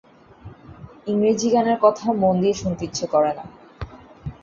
ইংরেজি গানের কথা মন দিয়ে শুনতে ইচ্ছে করে না।